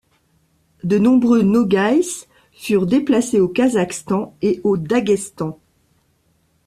De nombreux Nogaïs furent déplacés au Kazakhstan et au Daghestan.